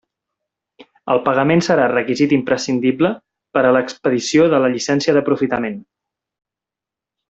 El pagament serà requisit imprescindible per a l'expedició de la llicència d'aprofitament.